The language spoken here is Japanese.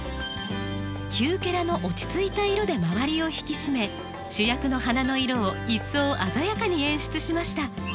ヒューケラの落ち着いた色で周りを引き締め主役の花の色を一層鮮やかに演出しました。